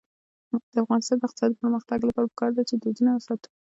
د افغانستان د اقتصادي پرمختګ لپاره پکار ده چې دودونه وساتو.